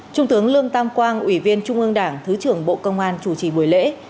trung tướng lương tam quang ủy viên trung ương đảng thứ trưởng bộ công an chủ trì buổi lễ